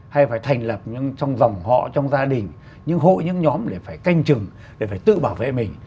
hay phải thành lập trong dòng họ trong gia đình những hộ những nhóm để phải canh chừng để phải tự bảo vệ mình